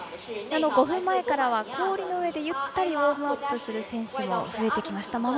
５分前からは氷の上でゆったりウォームアップする選手も増えてきました。